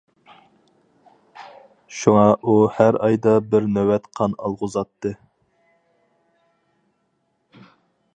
شۇڭا ئۇ ھەر ئايدا بىر نۆۋەت قان ئالغۇزاتتى.